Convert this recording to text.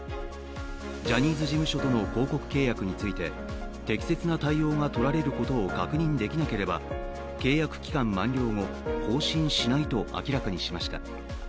ジャニーズ事務所との広告契約について適切な対応がとられることを確認できなければ、契約期間満了後更新しないと明らかにしました。